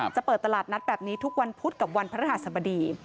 จะเปิดตลาดนัดแบบนี้ทุกวันพุธกับวันพระหัสบดี